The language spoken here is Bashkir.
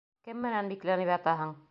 Кем менән бикләнеп ятаһың?